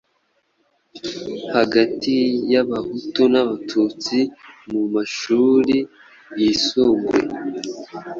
hagati y'Abahutu n'Abatutsi mu mashuri yisumbuye